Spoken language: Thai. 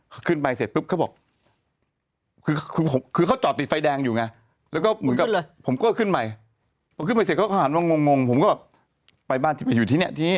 ขึ้นไปเสร็จปุ๊ปก็บอก